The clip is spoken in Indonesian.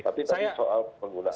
tapi tadi soal penggunaan